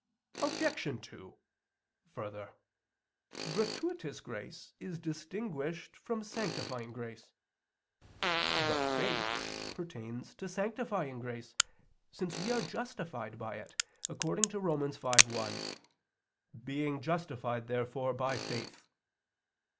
Obj. 2: Further, gratuitous grace is distinguished from sanctifying grace. But faith pertains to sanctifying grace, since we are justified by it, according to Rom. 5:1: "Being justified therefore by faith."